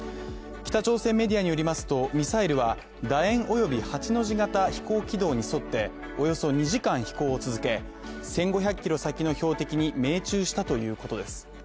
北朝鮮メディアによりますとミサイルはだ円および、８の字型飛行軌道に沿って移動しおよそ２時間、飛行を続け１５００ｋｍ先の標的に命中したということです。